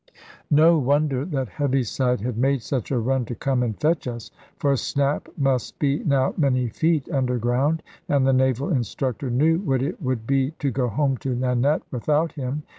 No wonder that Heaviside had made such a run to come and fetch us. For Snap must be now many feet underground, and the Naval Instructor knew what it would be to go home to Nanette without him.